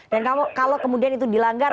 kalau kemudian itu dilanggar